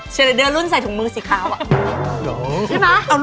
เชียร์เรดเดอร์รุ่นใส่ถุงมือสิคร้าวอะ